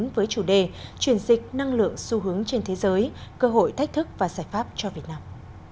với chủ đề chuyển dịch năng lượng xu hướng trên thế giới cơ hội thách thức và giải pháp cho việt nam